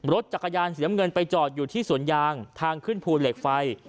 รถจักรยานสีน้ำเงินไปจอดอยู่ที่สวนยางทางขึ้นภูเหล็กไฟ